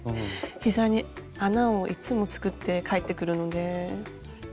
膝に穴をいつも作って帰ってくるので。